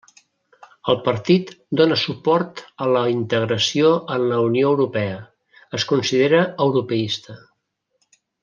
El partit dóna suport a la integració en la Unió Europea, es considera europeista.